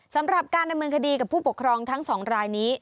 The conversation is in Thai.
สำหรับการดำเนินคดีกับผู้ปกครองทั้งสองรายนี้